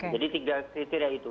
jadi tiga kriteria itu